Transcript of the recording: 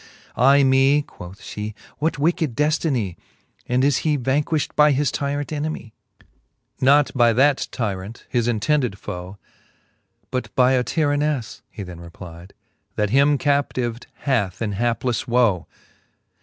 Ay me, quoth Ihe, what wicked deftinie? And is he vanquilht by his tyrant enemie ? XI. Not by that tyrant, his intended foe ; But by a tyranneile, he then replide, That him captived hath in haplefle woe.